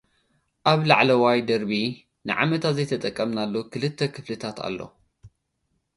ኣብ ላዕላይ ደርቢ፡ ንዓመታት ዘይተጠቐምናሉ ኽልተ ኽፍልታት ኣሎ።